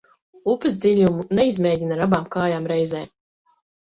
Upes dziļumu neizmēģina ar abām kājām reizē.